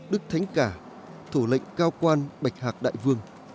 đức thánh cả thủ lệnh cao quan bạch hạc đại vương